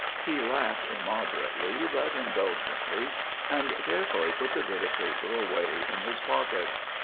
He laughed immoderately but indulgently and carefully put the bit of paper away in his pocket.